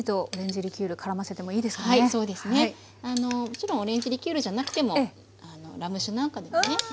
もちろんオレンジリキュールじゃなくてもラム酒なんかでもねよいですし。